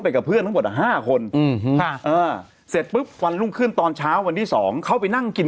เค้ากลัวเปลี่ยนหน้าเปลี่ยนอะไรอย่างนี้